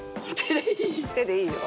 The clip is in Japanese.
手でいいよ。